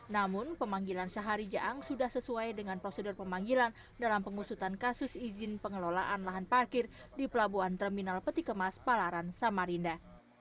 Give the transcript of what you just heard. namun pemanggilan syahari jaang sudah sesuai dengan prosedur pemanggilan dalam pengusutan kasus izin pengelolaan lahan parkir di pelabuhan terminal petikemas palaran samarinda